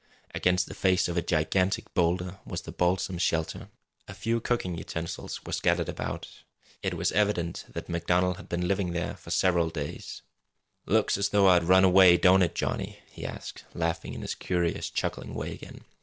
Against the face of a gigantic boulder was a balsam shelter. A few cooking utensils were scattered about. It was evident that MacDonald had been living here for several days. "Looks as though I'd run away, don't it, Johnny?" he asked, laughing in his curious, chuckling way again.